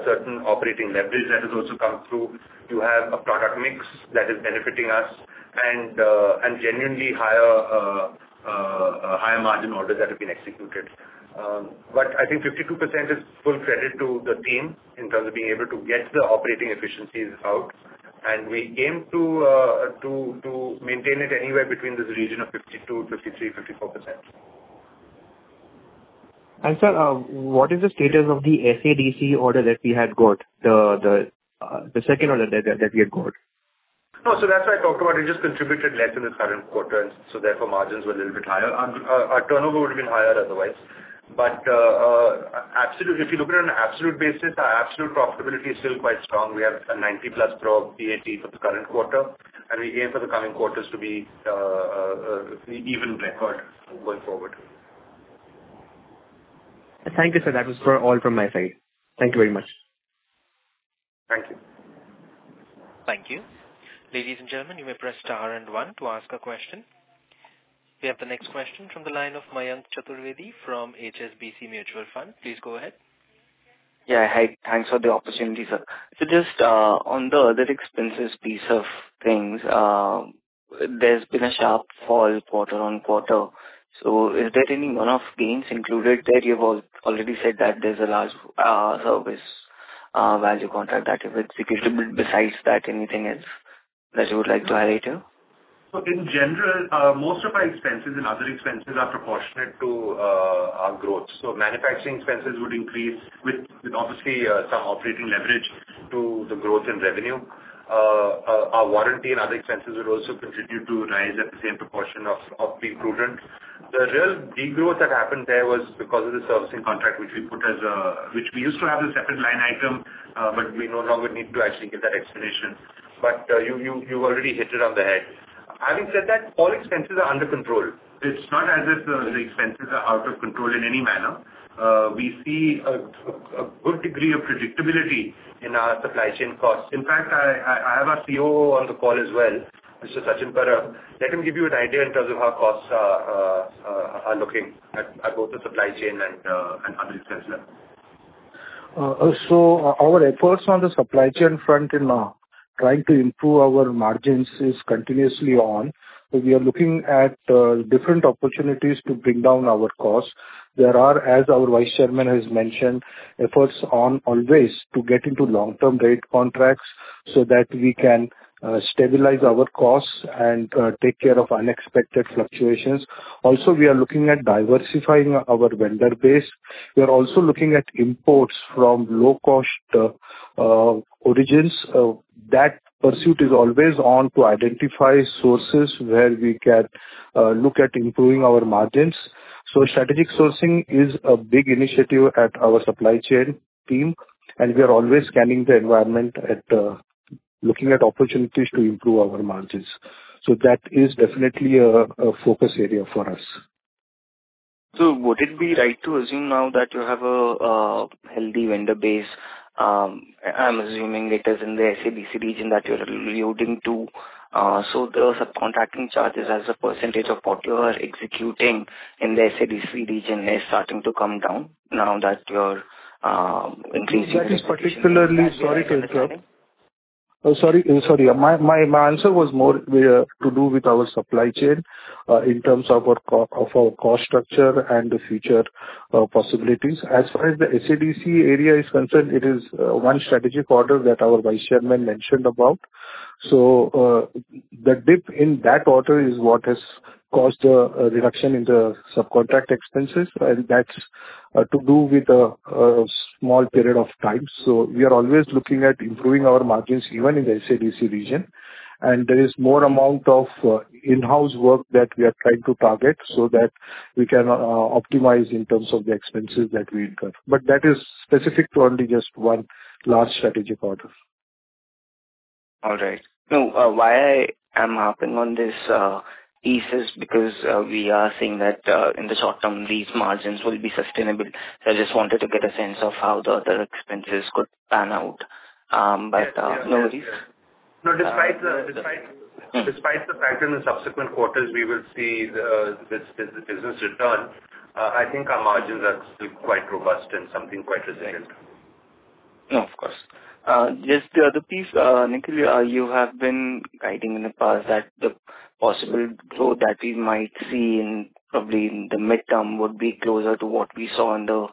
Speaker 3: certain operating leverage that has also come through. You have a product mix that is benefiting us and genuinely higher margin orders that have been executed. But I think 52% is full credit to the team in terms of being able to get the operating efficiencies out. And we aim to maintain it anywhere between this region of 52%-54%.
Speaker 9: Sir, what is the status of the SADC order that we had got, the second order that we had got?
Speaker 3: No. So that's why I talked about it. It just contributed less in this current quarter, and so therefore margins were a little bit higher. Our turnover would have been higher otherwise. But if you look at it on an absolute basis, our absolute profitability is still quite strong. We have a 90+ growth, PAT, for the current quarter, and we aim for the coming quarters to be even record going forward.
Speaker 9: Thank you, sir. That was all from my side. Thank you very much.
Speaker 3: Thank you.
Speaker 1: Thank you. Ladies and gentlemen, you may press star and one to ask a question. We have the next question from the line of Mayank Chaturvedi from HSBC Mutual Fund. Please go ahead.
Speaker 10: Yeah. Hi. Thanks for the opportunity, sir. So just on the other expenses piece of things, there's been a sharp fall quarter on quarter. So is there any one-off gains included there? You've already said that there's a large service value contract that you've executed. Besides that, anything else that you would like to highlight here?
Speaker 3: So in general, most of our expenses and other expenses are proportionate to our growth. So manufacturing expenses would increase with, obviously, some operating leverage to the growth in revenue. Our warranty and other expenses would also continue to rise at the same proportion of being prudent. The real degrowth that happened there was because of the servicing contract, which we used to have as a separate line item, but we no longer need to actually give that explanation. But you've already hit it on the head. Having said that, all expenses are under control. It's not as if the expenses are out of control in any manner. We see a good degree of predictability in our supply chain costs. In fact, I have our COO on the call as well, Mr. Sachin Parab. Let him give you an idea in terms of how costs are looking at both the supply chain and other expenses.
Speaker 11: So our efforts on the supply chain front in trying to improve our margins is continuously on. We are looking at different opportunities to bring down our costs. There are, as our Vice Chairman has mentioned, efforts on always to get into long-term rate contracts so that we can stabilize our costs and take care of unexpected fluctuations. Also, we are looking at diversifying our vendor base. We are also looking at imports from low-cost origins. That pursuit is always on to identify sources where we can look at improving our margins. So strategic sourcing is a big initiative at our supply chain team, and we are always scanning the environment at looking at opportunities to improve our margins. So that is definitely a focus area for us.
Speaker 10: So would it be right to assume now that you have a healthy vendor base? I'm assuming it is in the SADC region that you're alluding to. So the subcontracting charges as a percentage of what you are executing in the SADC region is starting to come down now that you're increasing the supply chain?
Speaker 11: Sorry to interrupt. Sorry. My answer was more to do with our supply chain in terms of our cost structure and the future possibilities. As far as the SADC area is concerned, it is one strategic order that our Vice Chairman mentioned about. So the dip in that order is what has caused the reduction in the subcontract expenses. And that's to do with a small period of time. So we are always looking at improving our margins even in the SADC region. And there is more amount of in-house work that we are trying to target so that we can optimize in terms of the expenses that we incur. But that is specific to only just one last strategic order.
Speaker 10: All right. Now, why I am hopping on this thesis is because we are seeing that in the short term, these margins will be sustainable. So I just wanted to get a sense of how the other expenses could pan out. But no worries.
Speaker 3: No. Despite the fact that in the subsequent quarters, we will see the business return, I think our margins are still quite robust and something quite resilient.
Speaker 10: No, of course. Just the other piece, Nikhil, you have been guiding in the past that the possible growth that we might see in probably the mid-term would be closer to what we saw in the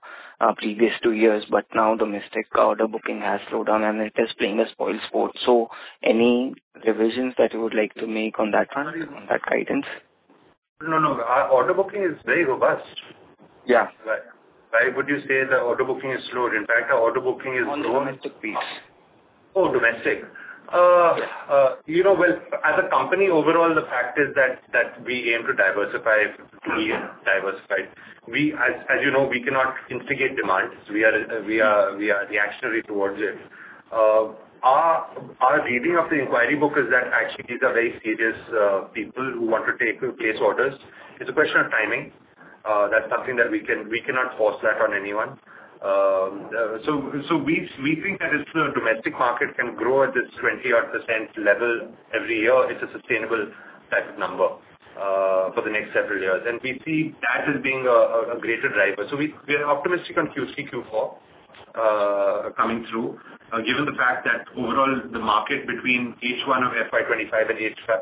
Speaker 10: previous two years. But now the massive order booking has slowed down, and it is playing a spoilsport. So any revisions that you would like to make on that guidance?
Speaker 3: No, no. Order booking is very robust.
Speaker 10: Yeah.
Speaker 3: Why would you say the order booking is slowed? In fact, the order booking is growing at the pace.
Speaker 10: Oh, domestic.
Speaker 3: Oh, domestic. Well, as a company, overall, the fact is that we aim to diversify and diversify. As you know, we cannot instigate demand. We are reactionary towards it. Our reading of the inquiry book is that actually these are very serious people who want to place orders. It's a question of timing. That's something that we cannot force that on anyone. So we think that if the domestic market can grow at this 20-odd% level every year, it's a sustainable type of number for the next several years. And we see that as being a greater driver. So we are optimistic on Q3, Q4 coming through, given the fact that overall the market between H1 of FY25 and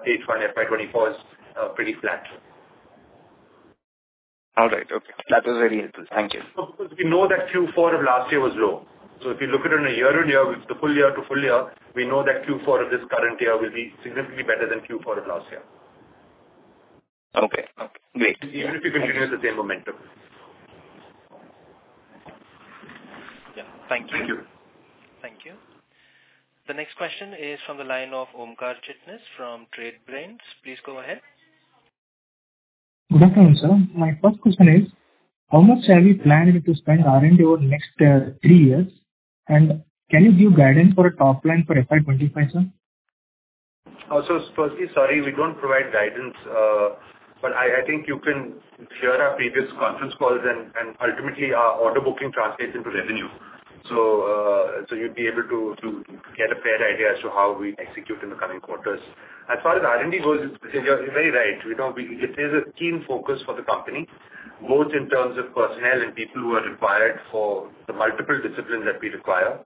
Speaker 3: H1 FY24 is pretty flat.
Speaker 10: All right. Okay. That was very helpful. Thank you.
Speaker 3: Of course, we know that Q4 of last year was low, so if you look at it on a year-on-year, the full year to full year, we know that Q4 of this current year will be significantly better than Q4 of last year.
Speaker 10: Okay. Great.
Speaker 3: Even if you continue with the same momentum.
Speaker 10: Yeah. Thank you.
Speaker 3: Thank you.
Speaker 1: Thank you. The next question is from the line of Omkar Chitnis from Trade Brains. Please go ahead.
Speaker 12: Good afternoon, sir. My first question is, how much are we planning to spend on R&D over the next three years? And can you give guidance for a top line for FY25, sir?
Speaker 3: So firstly, sorry, we don't provide guidance, but I think you can hear our previous conference calls and ultimately our order booking translates into revenue, so you'd be able to get a fair idea as to how we execute in the coming quarters. As far as R&D goes, you're very right. It is a keen focus for the company, both in terms of personnel and people who are required for the multiple disciplines that we require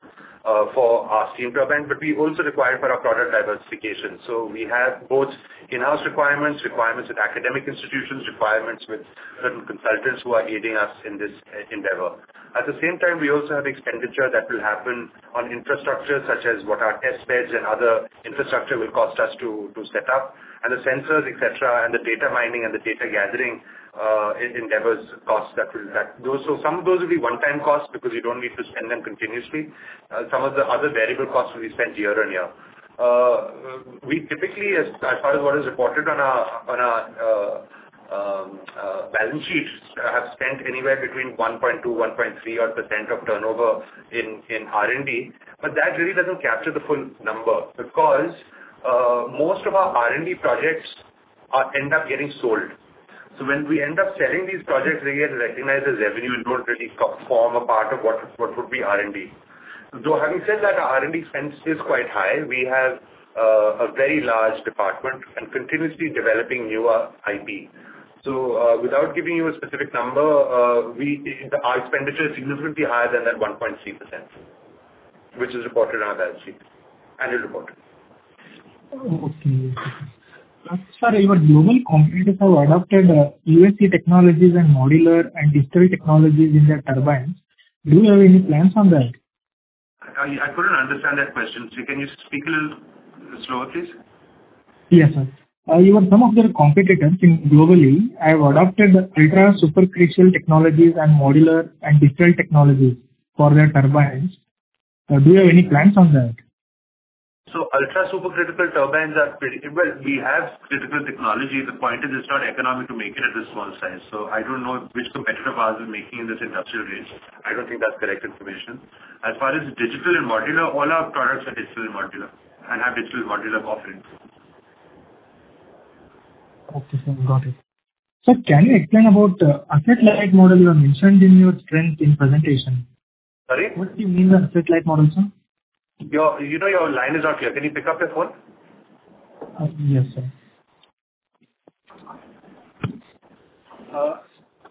Speaker 3: for our steam turbine. But we also require for our product diversification. So we have both in-house requirements, requirements with academic institutions, requirements with certain consultants who are aiding us in this endeavor. At the same time, we also have expenditure that will happen on infrastructure such as what our test beds and other infrastructure will cost us to set up. The sensors, etc., and the data mining and the data gathering endeavors costs that will be those. Some of those will be one-time costs because you don't need to spend them continuously. Some of the other variable costs will be spent year on year. We typically, as far as what is reported on our balance sheet, have spent anywhere between 1.2, 1.3 or 1.4% of turnover in R&D. But that really doesn't capture the full number because most of our R&D projects end up getting sold. When we end up selling these projects, they get recognized as revenue and don't really form a part of what would be R&D. Having said that, our R&D expense is quite high. We have a very large department and continuously developing newer IP. Without giving you a specific number, our expenditure is significantly higher than that 1.3%, which is reported on our balance sheet, annual report.
Speaker 12: Okay. Sir, several, global competitors have adopted USC technologies and modular and digital technologies in their turbines. Do you have any plans on that?
Speaker 3: I couldn't understand that question. So can you speak a little slower, please?
Speaker 12: Yes, sir. Some of their competitors globally have adopted ultra supercritical technologies and modular and digital technologies for their turbines. Do you have any plans on that?
Speaker 3: Ultra-supercritical turbines are pretty well. We have critical technology. The point is it's not economical to make it at this small size. I don't know which competitor of ours is making in this industrial range. I don't think that's correct information. As far as digital and modular, all our products are digital and modular and have digital and modular offerings.
Speaker 12: Okay. Got it. Sir, can you explain about the asset-light models you have mentioned in your strength in presentation?
Speaker 3: Sorry?
Speaker 12: What do you mean by asset-light models, sir?
Speaker 3: Your line is not clear. Can you pick up your phone?
Speaker 12: Yes, sir.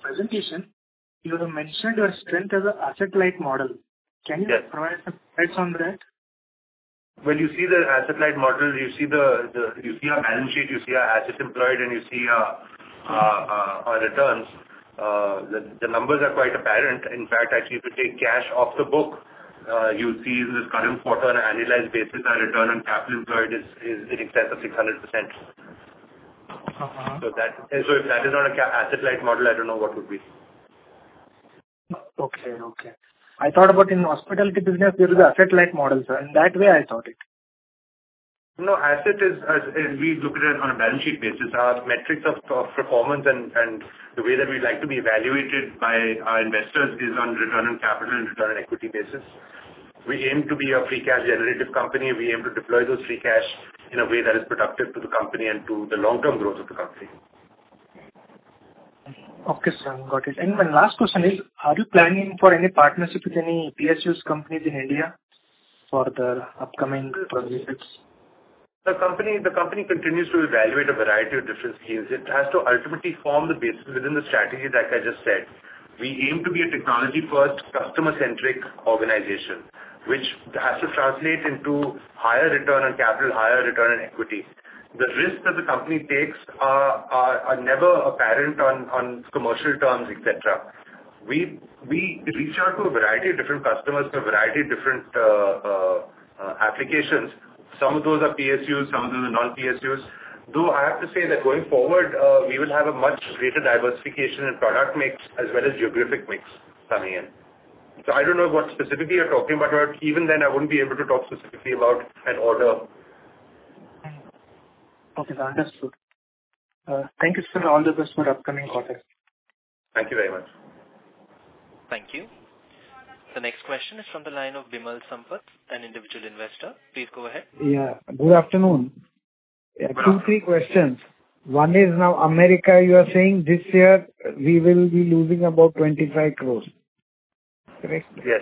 Speaker 12: Presentation, you have mentioned your strength as an asset-light model. Can you provide some insights on that?
Speaker 3: You see the asset-light model. You see our balance sheet. You see our assets employed, and you see our returns. The numbers are quite apparent. In fact, actually, if you take cash off the books, you'll see in this current quarter on an annualized basis, our return on capital employed is in excess of 600%. So if that is not an asset-light model, I don't know what would be.
Speaker 12: Okay. I thought about in hospitality business, there is an asset-light model, sir. In that way, I thought it.
Speaker 3: No. Asset-light is, we look at it on a balance sheet basis. Our metrics of performance and the way that we'd like to be evaluated by our investors is on return on capital and return on equity basis. We aim to be a free cash generative company. We aim to deploy those free cash in a way that is productive to the company and to the long-term growth of the company.
Speaker 12: Okay, sir. Got it. And my last question is, are you planning for any partnership with any PSUs companies in India for the upcoming projects?
Speaker 3: The company continues to evaluate a variety of different schemes. It has to ultimately form the basis within the strategy that I just said. We aim to be a technology-first, customer-centric organization, which has to translate into higher return on capital, higher return on equity. The risks that the company takes are never apparent on commercial terms, etc. We reach out to a variety of different customers for a variety of different applications. Some of those are PSUs. Some of those are non-PSUs. Though I have to say that going forward, we will have a much greater diversification in product mix as well as geographic mix coming in. So I don't know what specifically you're talking about. Even then, I wouldn't be able to talk specifically about an order.
Speaker 12: Okay. Understood. Thank you, sir, for all the questions for the upcoming quarter.
Speaker 3: Thank you very much.
Speaker 1: Thank you. The next question is from the line of Bimal Sampat, an individual investor. Please go ahead. Yeah. Good afternoon. Two, three questions. One is now America, you are saying this year we will be losing about 25 crores. Correct?
Speaker 3: Yes.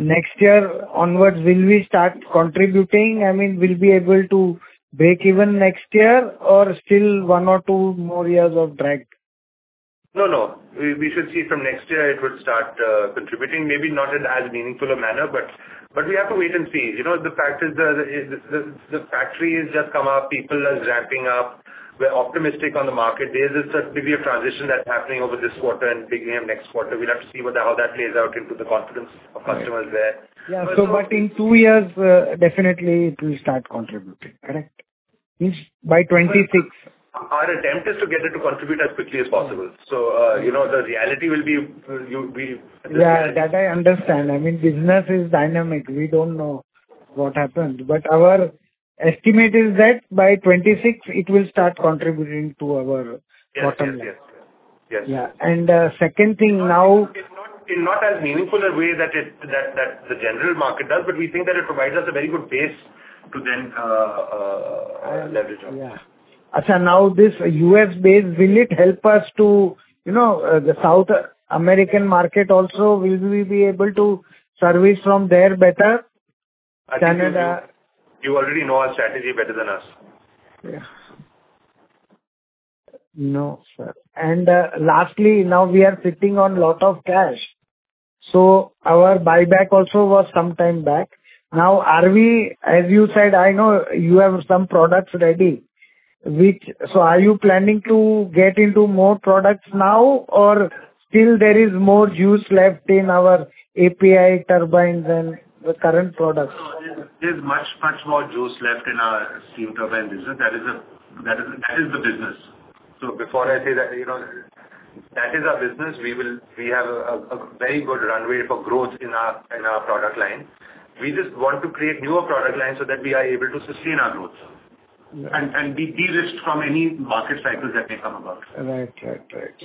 Speaker 3: Next year onwards, will we start contributing? I mean, will we be able to break even next year or still one or two more years of drag? No, no. We should see from next year it will start contributing. Maybe not in as meaningful a manner, but we have to wait and see. The fact is the factory has just come up. People are ramping up. We're optimistic on the market. There is a certain degree of transition that's happening over this quarter and beginning of next quarter. We'll have to see how that plays out into the confidence of customers there. Yeah. So but in two years, definitely it will start contributing. Correct? By 2026. Our attempt is to get it to contribute as quickly as possible. So the reality will be we. Yeah. That I understand. I mean, business is dynamic. We don't know what happens. But our estimate is that by 2026, it will start contributing to our bottom line. Yes. Yes. Yes. Yeah. And second thing now. Not as meaningful a way that the general market does, but we think that it provides us a very good base to then leverage on. Yeah. So now this U.S. base, will it help us to the South American market also? Will we be able to serve from there better? Canada. You already know our strategy better than us. Yeah. No, sir. And lastly, now we are sitting on a lot of cash. So our buyback also was some time back. Now, are we, as you said, I know you have some products ready. So are you planning to get into more products now, or still there is more juice left in our API turbines than the current products? There's much, much more juice left in our steam turbine business. That is the business. So before I say that, that is our business. We have a very good runway for growth in our product line. We just want to create newer product lines so that we are able to sustain our growth and be derisked from any market cycles that may come about. Right.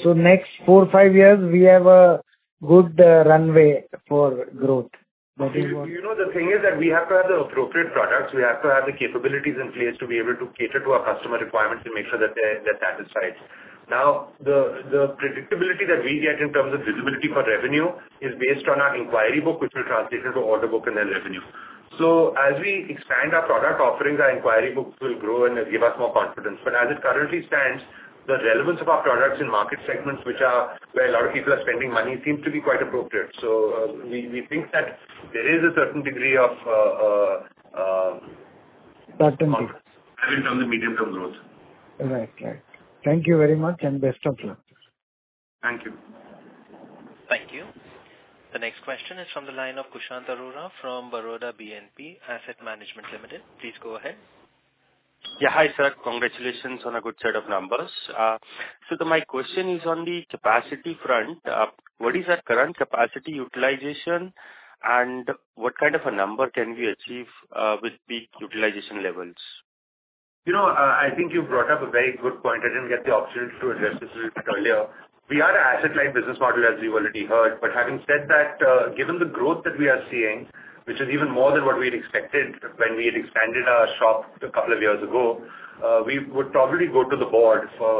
Speaker 3: So next four, five years, we have a good runway for growth. The thing is that we have to have the appropriate products. We have to have the capabilities in place to be able to cater to our customer requirements and make sure that they're satisfied. Now, the predictability that we get in terms of visibility for revenue is based on our inquiry book, which will translate into order book and then revenue. So as we expand our product offerings, our inquiry books will grow and give us more confidence. But as it currently stands, the relevance of our products in market segments, which are where a lot of people are spending money, seems to be quite appropriate. So we think that there is a certain degree of. Certainty. Confidence from the medium-term growth. Right. Right. Thank you very much and best of luck. Thank you.
Speaker 1: Thank you. The next question is from the line of Kushant Arora from Baroda BNP Asset Management Limited. Please go ahead.
Speaker 13: Yeah. Hi, sir. Congratulations on a good set of numbers. So my question is on the capacity front. What is our current capacity utilization, and what kind of a number can we achieve with peak utilization levels?
Speaker 3: I think you've brought up a very good point. I didn't get the opportunity to address this a little bit earlier. We are an asset-light business model, as you've already heard. But having said that, given the growth that we are seeing, which is even more than what we had expected when we had expanded our shop a couple of years ago, we would probably go to the board for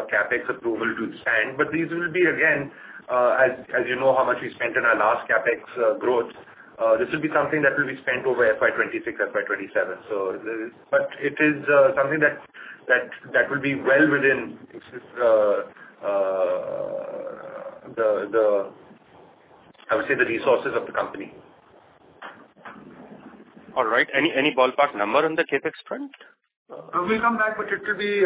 Speaker 3: a CapEx approval to expand. But these will be, again, as you know how much we spent in our last CapEx growth, this will be something that will be spent over FY26, FY27. But it is something that will be well within the, I would say, the resources of the company.
Speaker 13: All right. Any ballpark number on the CapEx front?
Speaker 3: We'll come back, but it will be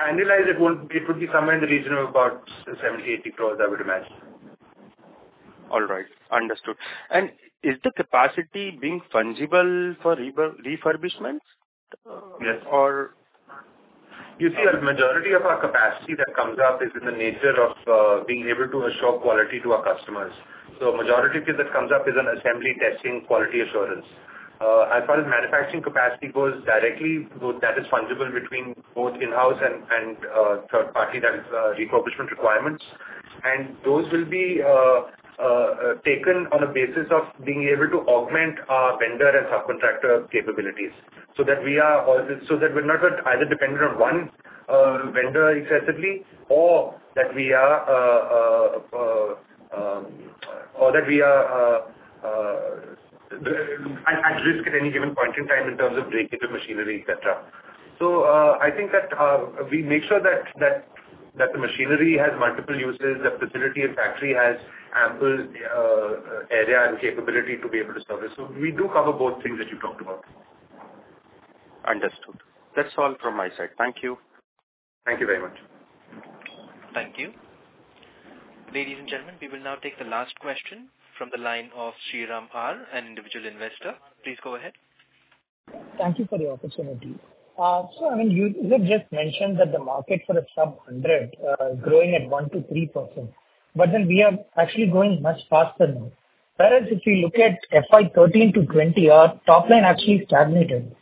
Speaker 3: annualized. It would be somewhere in the region of about 70-80 crores, I would imagine.
Speaker 13: All right. Understood, and is the capacity being fungible for refurbishment?
Speaker 3: Yes.
Speaker 13: Or?
Speaker 3: You see, the majority of our capacity that comes up is in the nature of being able to assure quality to our customers. So the majority of it that comes up is an assembly, testing, quality assurance. As far as manufacturing capacity goes directly, that is fungible between both in-house and third-party refurbishment requirements. And those will be taken on a basis of being able to augment our vendor and subcontractor capabilities so that we're not either dependent on one vendor excessively or that we are at risk at any given point in time in terms of breaking the machinery, etc. So I think that we make sure that the machinery has multiple uses, the facility and factory has ample area and capability to be able to service. So we do cover both things that you've talked about.
Speaker 13: Understood. That's all from my side. Thank you.
Speaker 3: Thank you very much.
Speaker 1: Thank you. Ladies and gentlemen, we will now take the last question from the line of Sriram R., an individual investor. Please go ahead. Thank you for the opportunity. Sir, I mean, you just mentioned that the market for a sub-100 is growing at 1%-3%. But then we are actually going much faster now. Whereas if you look at FY 2013-2020, our top line actually stagnated.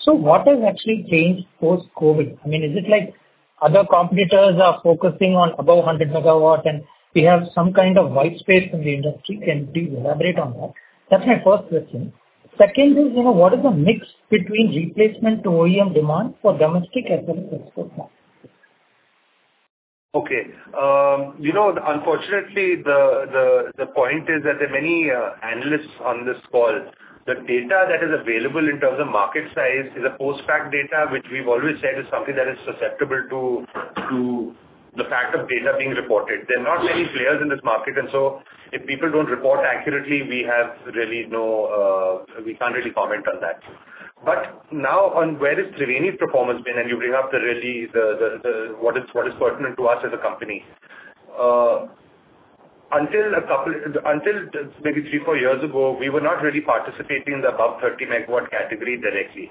Speaker 1: So what has actually changed post-COVID? I mean, is it like other competitors are focusing on above 100 MW, and we have some kind of white space in the industry? Can you elaborate on that? That's my first question. Second is, what is the mix between replacement to OEM demand for domestic asset export now?
Speaker 3: Okay. Unfortunately, the point is that there are many analysts on this call. The data that is available in terms of market size is a post-fact data, which we've always said is something that is susceptible to the fact of data being reported. There are not many players in this market. And so if people don't report accurately, we can't really comment on that. Now, on where has Triveni's performance been, and you bring up what is pertinent to us as a company. Until maybe three, four years ago, we were not really participating in the above 30 MW category directly.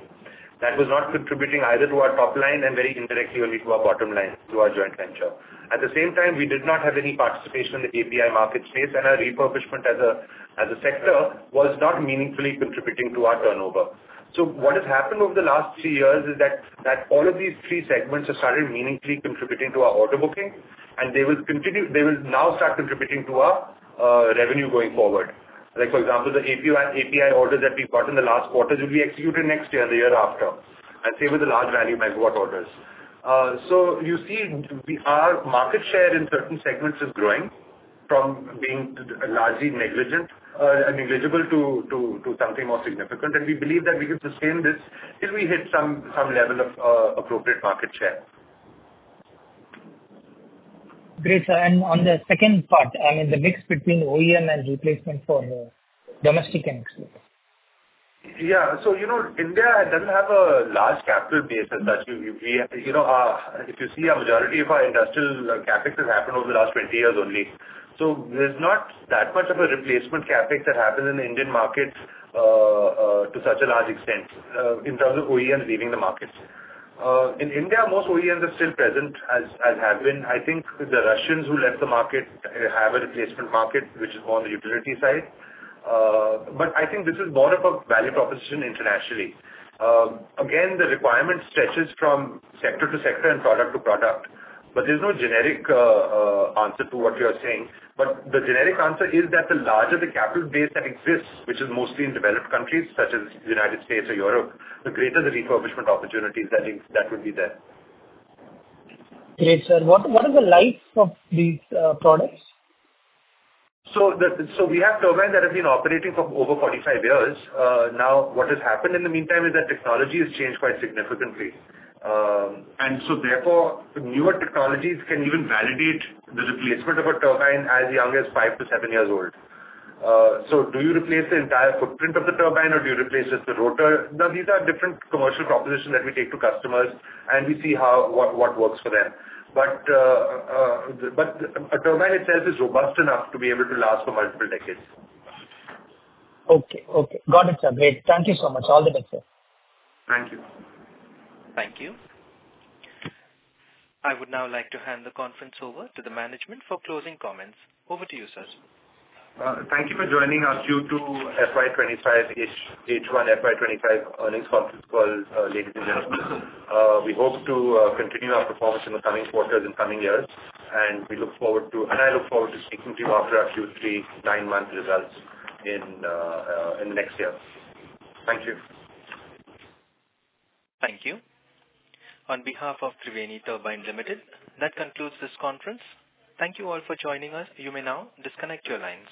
Speaker 3: That was not contributing either to our top line, and very indirectly only to our bottom line, to our joint venture. At the same time, we did not have any participation in the API market space, and our refurbishment as a sector was not meaningfully contributing to our turnover. So what has happened over the last three years is that all of these three segments have started meaningfully contributing to our order booking, and they will now start contributing to our revenue going forward. For example, the API orders that we've got in the last quarter will be executed next year and the year after, and same with the large value megawatt orders. So you see, our market share in certain segments is growing from being largely negligible to something more significant. And we believe that we can sustain this if we hit some level of appropriate market share. Great. And on the second part, I mean, the mix between OEM and replacement for domestic and export? Yeah. So India doesn't have a large capital base as such. If you see, a majority of our industrial CapEx has happened over the last 20 years only. So there's not that much of a replacement CapEx that happens in the Indian market to such a large extent in terms of OEMs leaving the market. In India, most OEMs are still present as have been. I think the Russians who left the market have a replacement market, which is more on the utility side. But I think this is more of a value proposition internationally. Again, the requirement stretches from sector to sector and product to product. But there's no generic answer to what you are saying. But the generic answer is that the larger the capital base that exists, which is mostly in developed countries such as the United States or Europe, the greater the refurbishment opportunities that would be there. Great, sir. What is the life of these products? So we have turbines that have been operating for over 45 years. Now, what has happened in the meantime is that technology has changed quite significantly. And so therefore, newer technologies can even validate the replacement of a turbine as young as five to seven years old. So do you replace the entire footprint of the turbine, or do you replace just the rotor? Now, these are different commercial propositions that we take to customers, and we see what works for them. But a turbine itself is robust enough to be able to last for multiple decades. Okay. Okay. Got it, sir. Great. Thank you so much. All the best, sir. Thank you.
Speaker 1: Thank you. I would now like to hand the conference over to the management for closing comments. Over to you, sir.
Speaker 3: Thank you for joining us for the H1 FY25 earnings conference call, ladies and gentlemen. We hope to continue our performance in the coming quarters and coming years, and we look forward to, and I look forward to speaking to you after our Q3 nine-month results in the next year. Thank you.
Speaker 1: Thank you. On behalf of Triveni Turbine Limited, that concludes this conference. Thank you all for joining us. You may now disconnect your lines.